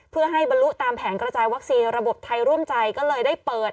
เพื่อให้บรรลุตามแผนกระจายวัคซีนระบบไทยร่วมใจก็เลยได้เปิด